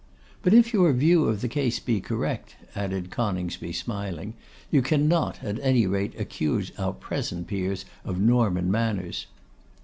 But if your view of the case be correct,' added Coningsby, smiling, 'you cannot at any rate accuse our present peers of Norman manners.